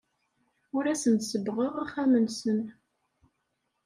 Ur asen-sebbɣeɣ axxam-nsen.